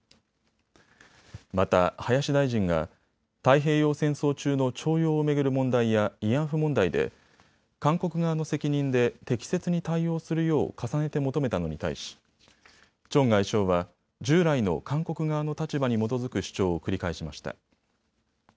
また林大臣が太平洋戦争中の徴用を巡る問題や慰安婦問題で韓国側の責任で適切に対応するよう重ねて求めたのに対しチョン外相は従来の韓国側の立場に基づく主張を繰り返しました。